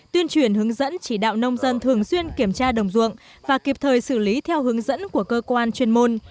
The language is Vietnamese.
tuyên truyền hướng dẫn chỉ đạo nông dân thường xuyên kiểm tra đồng ruộng và kịp thời xử lý theo hướng dẫn của cơ quan chuyên môn